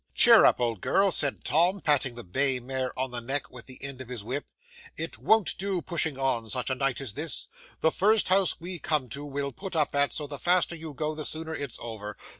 "'Cheer up, old girl," said Tom, patting the bay mare on the neck with the end of his whip. "It won't do pushing on, such a night as this; the first house we come to we'll put up at, so the faster you go the sooner it's over.